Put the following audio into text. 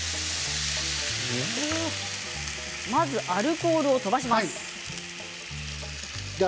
まずアルコールを飛ばします。